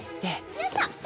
よいしょ。